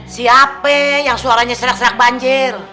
siapa yang suaranya serak serak banjir